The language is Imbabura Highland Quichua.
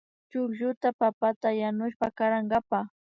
Chuklluta papata yanushpa karankapa